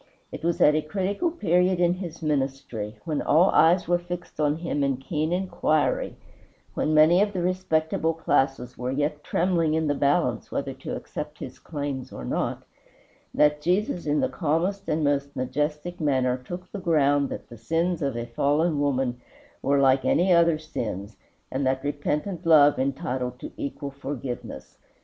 It was at a critical period in his ministry, when all eyes were fixed on him in keen inquiry, when many of the respectable classes were yet trembling in the balance whether to accept his claims or not, that Jesus in the calmest and most majestic manner took the ground that the sins of a fallen woman were like any other sins, and that repentant love entitled to equal forgiveness.